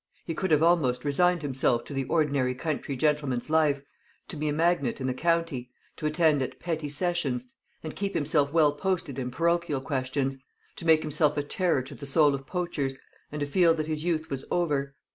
He could have almost resigned himself to the ordinary country gentleman's life: to be a magnate in the county; to attend at petty sessions, and keep himself well posted in parochial questions; to make himself a terror to the soul of poachers, and to feel that his youth was over.